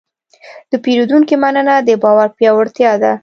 د پیرودونکي مننه د باور پیاوړتیا ده.